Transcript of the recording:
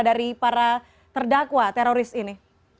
dari para terdakwa teroris ini